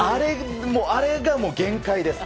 あれが限界です。